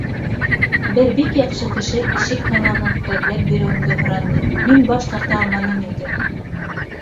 Бер бик яҡшы кеше ишек яңағын рәтләп биреүемде һораны, мин баш тарта алманым инде.